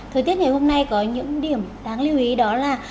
thời tiết ngày hôm nay có những điểm đáng lưu ý đó là